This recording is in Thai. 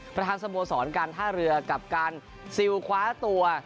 ประธานสโมสรการท่าเรือกับการซิลคว้าตัว